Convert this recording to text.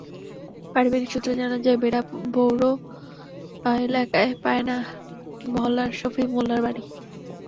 পারিবারিক সূত্রে জানা যায়, বেড়া পৌর এলাকার পায়না মহল্লায় শফি মোল্লার বাড়ি।